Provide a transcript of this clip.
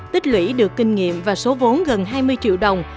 tích lũy được kinh nghiệm và số vốn gần hai mươi triệu đồng